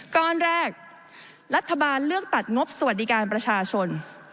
ก้อนแรกรัฐบาลเลือกตัดงบสวัสดิการประชาชน